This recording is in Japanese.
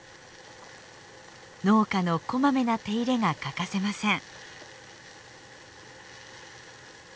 農家のこまめな手入れが欠かせません。